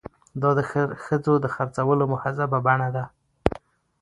دا د ښځو د خرڅولو مهذبه بڼه ده.